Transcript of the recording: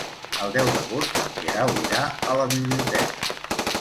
El deu d'agost en Guerau irà a la biblioteca.